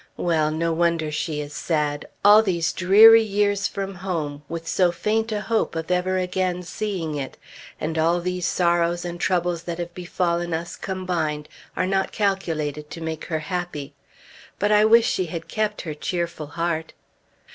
Well! no wonder she is sad. All these dreary years from home, with so faint a hope of ever again seeing it, and all these sorrows and troubles that have befallen us, combined, are not calculated to make her happy. But I wish she had kept her cheerful heart.